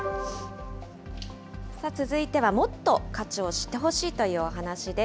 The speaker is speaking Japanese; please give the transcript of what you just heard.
続いては、もっと価値を知ってほしいというお話です。